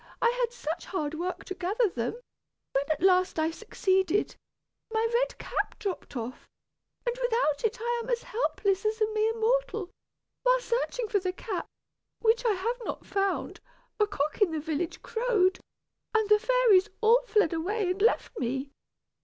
I had such hard work to gather them; when at last I succeeded, my red cap dropped off; and without it I am as helpless as a mere mortal. While searching for the cap, which I have not found, a cock in the village crowed, and the fairies all fled away and left me.